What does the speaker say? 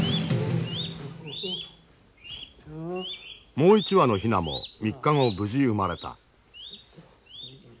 もう一羽のヒナも３日後無事生まれた。